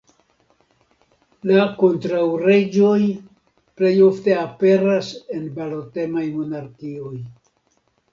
La kontraŭreĝoj plej ofte aperas en balotemaj monarkioj.